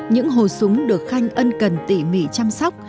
những hồ súng được khanh ân cần tỉ mỉ chăm sóc